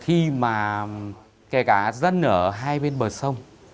khi mà kể cả dân ở hai bên bờ sông